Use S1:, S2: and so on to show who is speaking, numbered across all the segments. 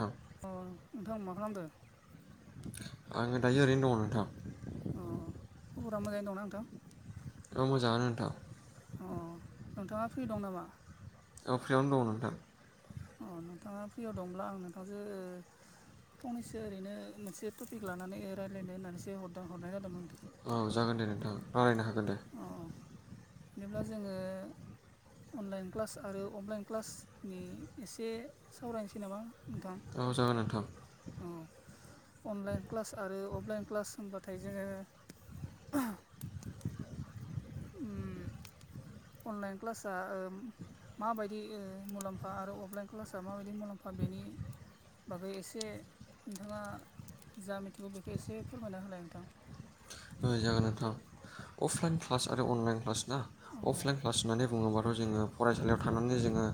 S1: नोंथां
S2: अ नोंथां मा खालामदों?
S1: आंङो दायो ओरैनो दङ नोंथां।
S2: अ खबरा मोजाङैनो दंना नोंथां?
S1: औ मोजाङानो नोंथां।
S2: अ नोंथाङा फ्रि दं नामा?
S1: औ फ्रियावनो दङ नोंथां।
S2: अ नोंथाङा फ्रियाव दंब्ला आं नोंथांजों ओ फंनैसो ओरैनो मोनसे टपिक लानानै रायज्लायनो होननानैसो हर हरनाय जादोंमोन नोंथां।
S1: औ जागोन दे नोंथां रायज्लायनो हागोन दे।
S2: अ बिदिेब्ला जोंङो अनलाइन क्लास आरो अफलाइन क्लासनि एसे सावरायनोसै नामा नोंथां?
S1: औ जागोन नोंथां।
S2: औ अनलाइन क्लास आरो अफलाइन क्लास होनबाथाय जोंङो उम अनलाइन क्लास आ ओ माबायदि ओ मुलाम्फा आरो अफलाइन क्लासआ माबायदि मुलाम्फा बेनि बागै एसे नोंथाङा जा मिथिगौ बेखौ एसे फोरमायना होलाय नोंथां।
S1: ओ जागोन नोंथां अफलाइन क्लास आरो अनलाइन क्लास ना
S2: औ
S1: अफलाइन क्लास होननानै बुङोबाथ' जोंङो फरायसालियाव थानानै जोंङो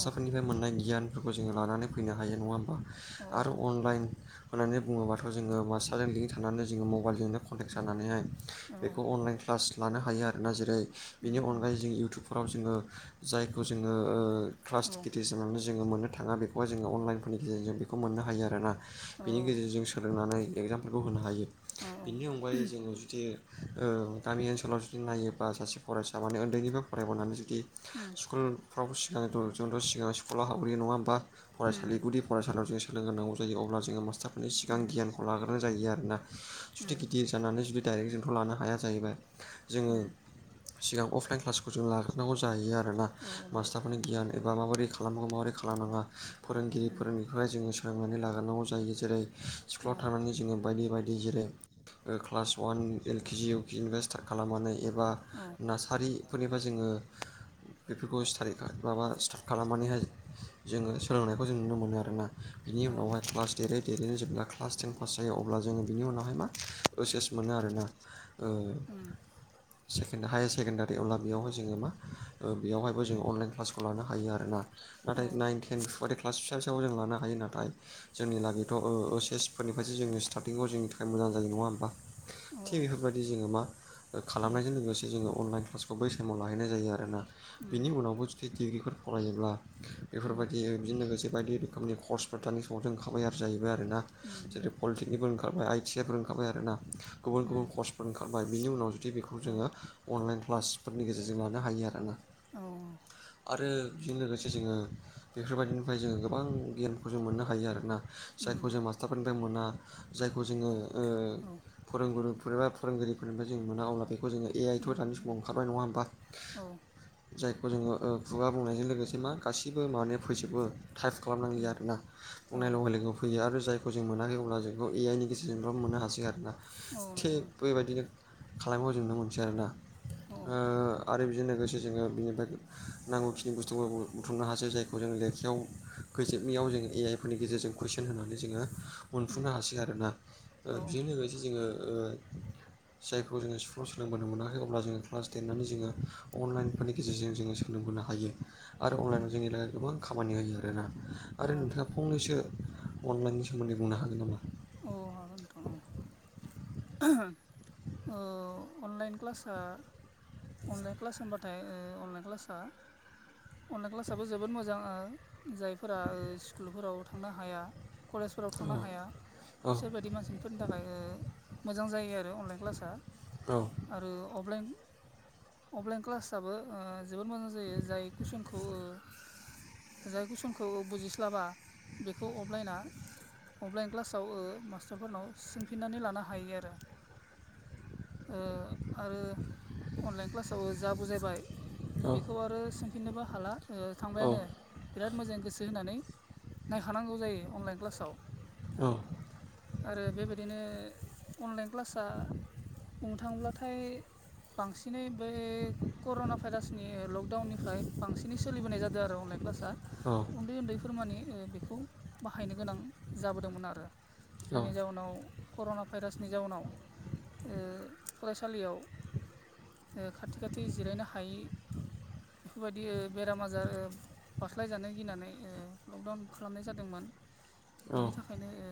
S2: औ
S1: मोननाय गियान बेफोरखौ जोंङो लानानै फैनो हायो नङा होमबा?
S2: औ
S1: आरो अनलाइन होननानै बुङोबाथ' जोंङो मासथारजों लिं थानानै जोंङो मबाइलजोंनो कन्टेक्ट
S2: नंगौ उम
S1: जानानैहाय
S2: औ औ
S1: बेखौ अनलाइन क्लास लानो हायो आरोना जेरै
S2: उम
S1: बेनि
S2: उम
S1: अनगायै जों इउटुब फोराव जोंङो जायखौ जोंङो ओ क्लास
S2: औ
S1: टिकेट हिसाबनानै जोंङो मोननो थाङा बेखौहाय जोंङो अनलाइनफोरनि गेजेरजों बेखौ मोननो हायो आरोना
S2: औ
S1: बेनि गेजेरजोंसो सोलोंनानै एगजामफोरखौ होनो हायो
S2: औ उम
S1: बिनि अनगायै जोंङो जुदि ओ गामि ओनसोलाव जुदि नायोबा सासे फरायसा माने उन्दैनिफ्राय फरायबोनानै जुदि
S2: उम।
S1: स्कुलफ्रावबो सिगां ज' सिगां स्कुलाव
S2: औ
S1: हाबग्रोयो नङा होमबा?
S2: औ
S1: फरायसालि
S2: नंगौ
S1: गुदि फरायसालियाव जों सोलोंग्रोनांगौ जायो अब्ला जोंङो मास्टारफोरनि सिगां गियानखौ लाग्रोनो जायो आरोना। जुदि गिदिर जानानै जुदि डाइरेक्ट जोंथ' लानो हाया जाहैबाय
S2: उम
S1: जोंङो सिगां अफलाइन क्लासखौ जों लाग्रोनांगौ जायो आरोना मास्टार फोरनि गियान एबा माबोरै खालामनांगौ माबोरै खालामनाङा फोरोंगिरि फोरोंनिखौ जों स सोलोंनानै लाग्रोनांगौ जायो जेरै स्कुलाव थांनानै जोंङो बायदि बायदि जेरै क्लास अवान एल केजि इउ केजि निफ्राय स्टार्ट खालामनानै एबा
S2: औ।
S1: नारसारिफोरनिफ्राय जोंङो बेफोरखौ स्टारि माबा स्टार्ट खालामनानैहाय जोंङो सोलोंनायखौ जों नुनो मोनो आरोना। बिनि उनावहाय क्लास देरै देरैनो जेब्ला क्लास टेन पास जायो अब्ला जोंङो बिनि उनावहाय मा ओ सेस मोनो आरोना ओ
S2: उम।
S1: सेक हायार सेकेण्डारि अब्ला बेयावहाय जोङो मा ओ बेयावहायबो जोङो अनलाइन क्लास लानो हायो आरोना नाथाय नाइन टेन बेफोरबायदि क्लास फिसासोआव जों लानो हायो। नाथाय जोंनि लागैथ' ओ ओइ सेस फोरनिफ्रायसो जोंनि स्टारटिंआव जोंनि थाखाय मोजां जायो नङा होम बा थिग बेफोरबादिनो बिदि जोङो मा ओ खालामनायजों लोगोसे जोङो अनलाइन क्लासखौ बै टाइमाव लाहैनाय जायो आरोना। बिनि उनावबो जुदि डिग्रिफोर फरायोब्ला बेफोरबायदि बिजोंनो लोगोसे बायदि रोखोमनि कर्सफोर दानि समाव जों ओंखारबाय आरो जाहैबाय आरोना। जेरै पलिटेकनिकफोर ओंखारबाय आइ टि आइ फोर ओंखारबाय आरो ना गुबुन गुबुन कर्स् ओंखारबाय बिनि उनाव जुदि बेखौ जोङो अनलाइन क्लासफोरनि गेजेरजों लानो हायो आरोना।
S2: औ।
S1: आरो बेजों लोगोसे जोङो बेफोरबायदिनिफ्राय जोङो गोबां गियानखौ जों मोननो हायो आरोना। जायखौ जों मास्टार फदों मोना जायखौ जोङो ओ फोरोंगुरुफोरबा फोरोंगिरिफोरनिबा जों मोना अब्ला बे जोङो ए आइ थ' दानि समाव ओंखारबाय नङा होमबा।
S2: औ।
S1: जायखौ जोङो ओ खुगा बुंनायजों लोगोसे मा गासिबो माने फोजोबो टाइप खालामनांगौ आरोना बुंनाय लोगो लोगोआव फैयो आरो जाय खौ जों मोनाखै अब्ला जोंखौ ए आइ नि गेजेरजों मोननो हासै आरोना। थिग बेबायदिनो खालामो जोंनो मिथिया आरो ओ आरो बेजों लोगोसे जोङो बेनिफ्राय नांगौखिनि बुस्थुफोरखौ बुथुमनो हासै जायखौ जों लेखायाव होजोबनायाव जों ए आइ फोरनि गेजेरजों कुइसन होनानै जोङो मोनफुंनो हासै आरोना। ओ बेजों लोगोसे बिदि जोङो ओ जायखौ जोङो स्कुलाव सोंनो मोनाखै अब्ला जोङो क्लास टेननानै जोङो अनलाइनफोरनि गेजेरजों जो सों नों गोनो हायो‌। आरो अनलाइनाव जोंनि गोबां खामानि होयो आरोना
S2: औ
S1: आरो नोंथाङा फंनैसो अनलाइननि सोमोन्दै बुंनो हागोन नामा?
S2: अ हागोनथ' औ [inaudible] ओहो अनलाइन क्लास ओ अनलाइन क्लास होनबाथाय ओ अनलाइन क्लासा अनलाइन क्लासाबो जोबोद मोजां ओ जायफोरा ओ स्कुलफोराव थांनो हाया। कलेजफोराव
S1: औ
S2: थांनो हाया।
S1: औ
S2: बिसोरबायदि मानसिफोरनि थाखाय ओ मोजां जायो आरो अनलाइन क्लासआ।
S1: औ।
S2: आरो अफलाइन अफलाइन क्लासाबबो जोबोद मोजां जायो जाय कुइसनखौ थ ओ जाय कुइसनखौ बुजिस्लाबा बेखौ अफलाइना अनलाइन क्लासाव ओ मास्टारफोरनाव सोंफिन्नानै लानो हायो आरो। ओ आरो अनलाइन क्लासाव ओ जा बुजायबाय
S1: औ
S2: बेखौ आरो सोंफिननोबो हाला ओ
S1: औ
S2: थांबायानो। बिराद मोजां गोसो होनानै नायखानांगौ जायो अनलाइन क्लासाव।
S1: औ।
S2: आरो बेबायदिनो अनलाइन क्लासा बुंनो थाङोब्लाथाय बांसिनै बै कर'ना भाइरासनि लकडाउननिफ्राय बांसिनै सोलिबोनाय जादों आरो अनलायन क्लासआ
S1: औ।
S2: उन्दै उन्दैफोर मानि ओ बेखौ बाहायनो गोनां जाबोदोंमोन आरो। जायनि जाउनाव कर'ना भाइरासनि जाउनाव ओ फरायसालियाव ओ खाथि खाथि जिरायनो हायै बेफोरबायदि ओ बेराम आजार ओ बास्लायजानो गिनानै ओ लकडाउन खालामनाय जादोंमोन।
S1: औ
S2: बेनि थाखायनो ओ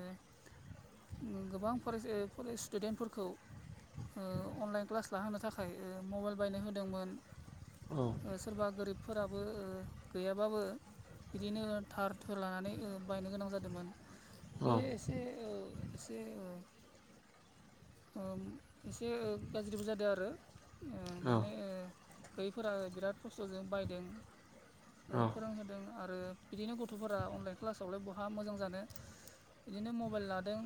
S2: ओ गोबां फरायसा ओ फराय स्टुडेन्टफोरखौ ओ अनलाइन क्लास लाहोनो थाखाय ओ मबाइल बायनो होदोंमोन।
S1: औ
S2: ओ सोरबा गोरिबफोराबो ओ गैयाबाबो बिदिनो थार थोर लानानै ओ बायनो गोनां जादोंमोन।
S1: औ
S2: बे एस से ओ एसे ओ ओम एसे ओ गाज्रिबो जादो आरो। ओ माने ओ दैफोरा बिराद खस्थ'जों बायदों।
S1: औ
S2: ओ फोरोंहोदों आरो बिदिनो गथ'फोरा अनलाइन क्लासावलाय बहा मोजां जानो बिदिनो मबेल लादों।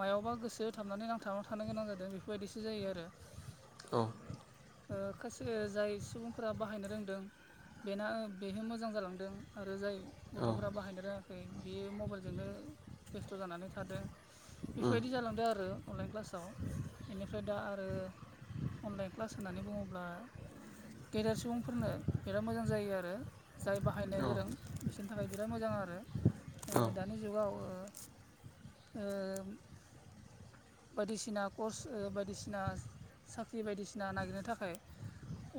S2: मायावबा गोसो होथाबनानै नांथाबनानै थानो गोनां जादों बेफोरबायदिसो जायो आरो।
S1: औ
S2: ओ खोसे जाय सुबुंफोरा बाहायनो रोंदों। बेना बेनो मोजां जालांदों। आरो जाय गथ'फोरा बाहायनो रोङाखै बेयो मबेलजोंनो बेस्थ' जानानै थादों।
S1: उम
S2: बेफोरबायदि जालांदों आरो अनलाइन क्लास साव एनिफ्राय दा आरो अनलाइन क्लास होननानै बुङोब्ला गेदेर सुबुंफोरनो बिराद मोजां जायो आरो। जाय बाहायनो
S1: औ
S2: गोरों बिसोरनि थाखाय बिराद मोजां आरो।
S1: औ
S2: ओ दानि जुगाव ओ ओम बायदिसिना कर्स ओ बायदिसिना साख्रि बायदिसिना नागिरनो थाखाय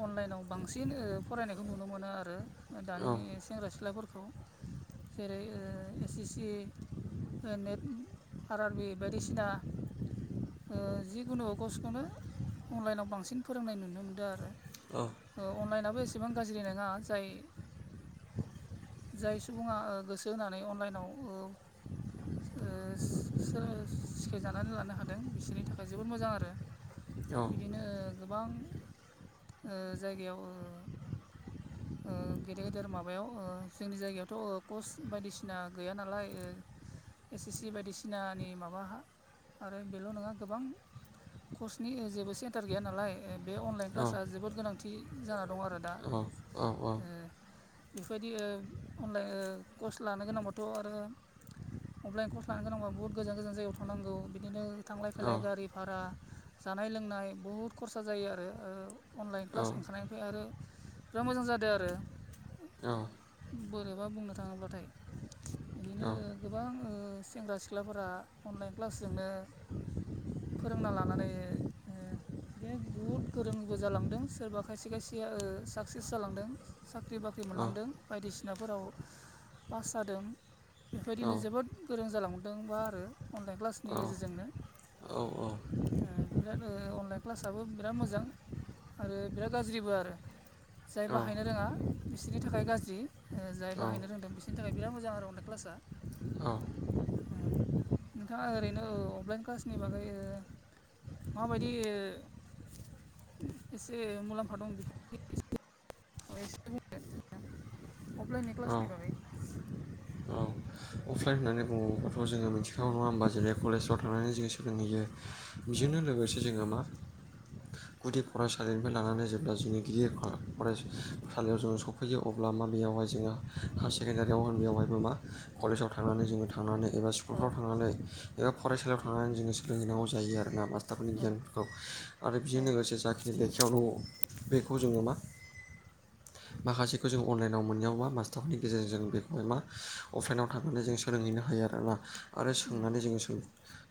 S2: अनलाइनाव बांसिन ओ फरायनायखौ नुनो मोनो आरो। ओ दानि सेंग्रा सिख्लाफोरखौ जेरै ओ एस एस सि ओ नेट आर, आर बि बायदिसिना ओ जिखुनु कसखौनो अनलाइनाव बांसिन फोरोंनाय नुनो मोनदों आरो।
S1: औ
S2: ओ अनलाइनाबो एसेबां गाज्रि नङा। जाय जाय सुबुङा ओ गोसो होनानै अनलाइनाव ओ ओस सो सिखायजानानै लानो हादों बिसोरनि थाखाय जोबोद मोजां आरो।
S1: औ औ
S2: नो गोबां ओ जायगायाव ओ ओ गेदेर गेदेर माबायाव ओ जोंनि जायगायावथ' ओ कज बायदिसिना गैया नालाय ओ एस, एस सि बायदिसिनानि माबा आरो बेल' नङा गोबां कजनि ओ जेबो सेन्टार गैया नालाय ओ बे अनलाइन क्लास
S1: औ
S2: जोबोद गोनांथि जाना दं आरो। दा
S1: औ
S2: ओ
S1: औ औ
S2: बेफोरबायदि ओ अनलाइन ओ कस लानो गोनांबाथ' आरो अफलाइन कर्स लानो गोनांबा बुहुद गोजान गोजान जायगायाव थांनांगौ। बिदिनो थांलाय फैलाय गारि फारा जानाय लोंनाय बुहुद खरसा जायो आरो। ओ अनलाइन क्लास ओंखारनाय फाय आरो बिराद मोजां जादो‌ आरो।
S1: औ
S2: बोरैबा बुंनो थाङोब्लाथाय। इदि इदिनो गोबां ओ सेंग्रा सिख्लाफोरा अनलाइन क्लासजोंनो फोरोंना लानानै ओ बिदिनो बुहुद गोरोंबो जालांदों सोरबा खायसे खायसेया ओ साकसेस जालांदों साख्रि बाख ख्रि
S1: औ
S2: मोनलांदों बायदिसिनाफोराव पास जादों। बेफोर
S1: औ
S2: बायदिनो
S1: औ
S2: जोबोद गोरों जालांदोंबो आरो। अनलाइन क्लासनि
S1: औ
S2: गेजेरजोंनो ओ बिराद ओ अनलाइन क्लासआबो बिराद मोजां आरो बिराद गाज्रिबो आरो। जाय
S1: औ
S2: बाहायनो रोङा बिसोरनि थाखाय गाज्रि ओ जाय
S1: औ औ
S2: बाहायनो रोंदों बिस सोरनि थाखाय बिराद मजां आरो अलायन क्लास दा
S1: औ
S2: ओ नोंथाङा ओरैनोऔ अबलाइन क्लासनि बागै ओ माबायदि ओ एसे मुलामफा दं बेफोरनि बागै एसे अ एसे बुंदो अफलाइननि क्लासनि बागै
S1: औ अफलाइन होननानै बुङोब्लाथ' जोङो मिथिखागौ नङा होमबा जेरै कलेजफ्राव थांनानै जों जों नुयो
S2: औ
S1: बेजोंनो लोगोसे जोङो मा गुदि फरायसा फरायसालिनिफ्राय लानानै जेब्ला जोंनि गिदि फा फराय फालायाव जों सफैयो अब्ला माब बेेयावहाय जोहा हायार सेकेण्डारियाव होन बेवहायबो मा कलेजाव
S2: औ
S1: थांनानै जोङो थांनानै एबा स्कुलफ्राव थांनानै एबा फरायसालियाव थांनानै जोङो सोलोंहैनांगौ जायो आरोना मास स्टारफोरनि
S2: औ
S1: गियान खौ आरो बेजों लोगोसे जाखिनि लेखायाव दङ बेखौ जोङो मा माखासेखौ जों अनलाइनाव मोननायाव मा मास्टारफोरनि गेजेरजों जों बेखौहाय मा अफलाइनाव थांनानै जों सोलोंहैनो हायो आरोना आरो सोंनानै जोङो सो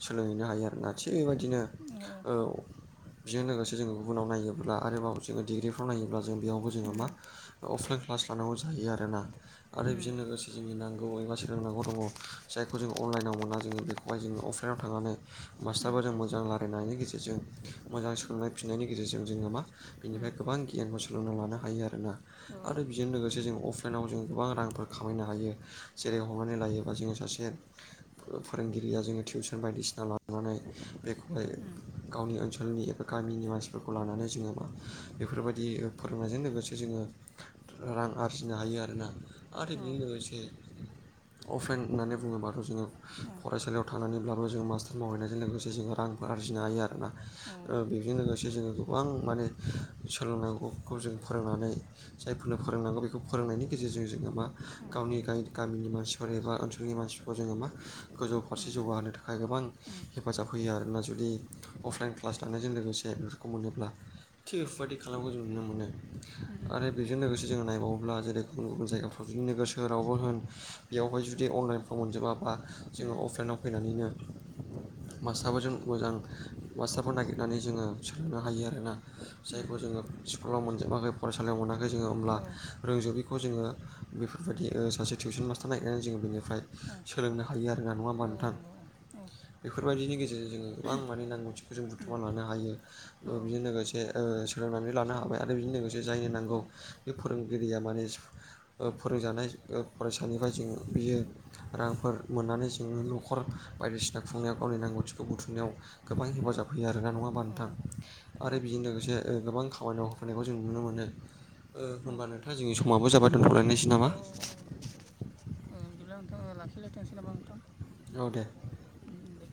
S1: सोलोंहैनो हायो आरोना थिग बेबायदिनो औ बेजों लोगोसे जोङो गुबुनाव नायोब्ला आरोबाव जोङो डिग्रिफ्राव नायोब्ला जों बेयावबो जोङो मा अफलाइन क्लास लानांगौ जायो आरोना आरो बेजों लोगोसे जोंनि नांगौ एबा सोलोंनांगौ दङ जायखौ जों अनलाइनाव मोना जोङो बेखौ बाय जोङो अफलाइनाव थांनानै मास्टारफोरजों मोजां रायलायनायनि गेजेरजों मोजां सोंनाय फफिननायनि गेजेरजों जोङो मा
S2: औ
S1: बिनिफ्राय गोबां गियानखौ सोलोंना लानो हायो आरो ना। आरो बेजों लोगोसे जों अफलाइनाव जों गोबां रांफोर खामायनो हायो जेरै हमनानै लायोबा जोङो सासे फोरोंगिरिया जोङो टिउसन बायदिसिना लानानै बेखौहाय गावनि ओनसोलनि एबा गामिनि मानसिफोरखौ लानानै जोङो मा बेफोरबायदि फोरोंनायजों लोगोसे जोङो रां आर्जिनो हायो आरोना आरो बेजों लोगोसे अफलाइन होननानै बुङोबाथ' जोङो फरायसालियाव थांनानैब्लाबो जों मास्टार मावहैनायजों लोगोसे जोङो रांफोर आरजिनो हायो आरोना।
S2: औ
S1: ओ बेजों लोगोसे जोङो गोबां माने सोलोंनांगौखौ जों फोरोंनानै जायफोरनो
S2: बिदिब्ला
S1: फोरोंनांगौ बे खौ फोरोंनायनि गेजेरजों जोङो मा गावनि गाय गामिनि मानसिफोर एबा ओनसोलनि मानसिफोरखौ जोङो मा गोजौ फारसे जौगाहोनो थाखाय गोबां हेफाजाब होयो आरोना जुदि अफलाइन क्लास लांनायजों लोगोसे बेफोरखौ मोनोब्ला। थिग बेफोरबायादि खालामखौ जों नुनो मोनो आरो बेजों लोगोसे जोंङो नायबावोबा अब्ला जेरै गुबुन गुबुन जायगाफ्राव जुदि नोगोर सोहोरावबो होन बेयावहाय जुदि अनलाइनफ्राव मोनजोबा बा जोङो अफलाइनाव फैनानैनो मास्टारफोर जों मोजां मास्टारफोर नागिरनानै जोङो सोलोंनो हायो आरोना। जायखौ जोङो स्कुलाव मोनजोबाखै फरायसालियाव मोनाखै जोङो होमब्ला रोंजोबैखौ जोङो बेफोरबायदि ओ सासे टिउसन मास्टार नागिरनानै जोङो बेनिफ्राय सोलोंनो हायो आरो नङा होमबा नोंथां
S2: ओं
S1: बेफोरबायदिनि गेजेरजों जोङो गोबां माने नांगौथिखौ जों बुथुमनानै लानो हायो। ओ बेजों लोगोसे ओ सोलोंनानै लानो हाबाय आरो बेजों लोगोसे जायनो नांगौ बे फोरों गिरिया माने सिफ ओ फोरोंजानाय ओ फरायसानिफ्राय जों बियो रांफोर मोननानै जोङो न'खर बायदिसिना खुंनायाव गावनि नांगौथिखौ बुथुमनायाव गोबां हेफाजाब होयो आरोना नङा हाबा नोंथां। आरो बेजों लोगोसे ओ गोबां खामानि मावफानायखौ जों नुनो मोनो होनबानो जोंनि समाब जाबाय
S2: औ ओं
S1: दोनथ'लायनोसै नामा
S2: बिदिब्ला नोंथां लाखिलायथ'सै नामा नोंथां
S1: औ दे
S2: दे